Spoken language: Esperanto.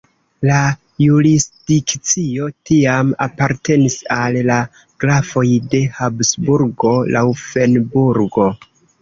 La jurisdikcio tiam apartenis al la Grafoj de Habsburgo-Laŭfenburgo.